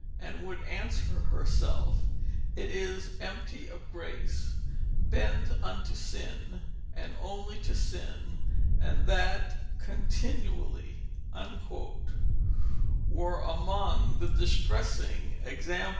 and would answer herself It is empty of Grace, bent unto Sin, and only to Sin, and that Continually," were among the distressing examples.